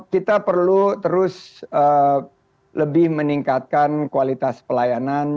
kita perlu terus lebih meningkatkan kualitas pelayanan